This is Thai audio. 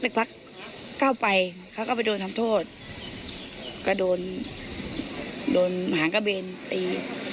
โดนหางกระเบินตี